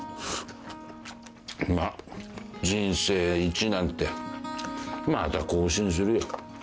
まっ人生一なんてまた更新するよ。